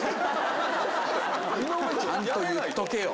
ちゃんと言っとけよ！